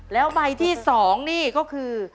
แล้วใบที่๒นี่ก็คือ